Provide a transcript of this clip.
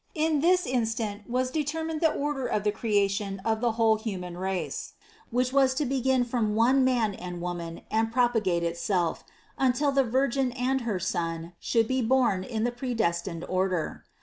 In this instant was determined the order of the creation of the whole human race, which was to begin from one man and woman and propagate itself, until the Virgin and her Son should be born in the predestined order.